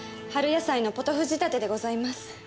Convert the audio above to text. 春野菜のポトフ仕立てでございます。